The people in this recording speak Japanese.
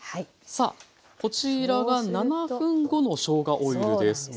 さあこちらが７分後のしょうがオイルです。